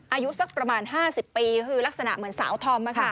อายุสักประมาณ๕๐ปีคือลักษณะเหมือนสาวธอม